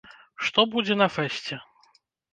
Што будзе на фэсце?